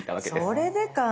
それでか。